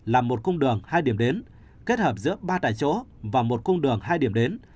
là một cung đường hai điểm đến kết hợp giữa ba tại chỗ và một cung đường hai điểm đến